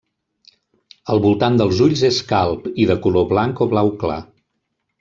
El voltant dels ulls és calb i de color blanc o blau clar.